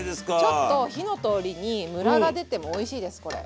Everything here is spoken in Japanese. ちょっと火の通りにムラがでてもおいしいですこれ。